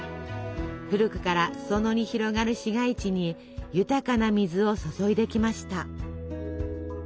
古くから裾野に広がる市街地に豊かな水を注いできました。